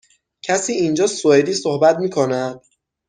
کسی اینجا سوئدی صحبت می کند؟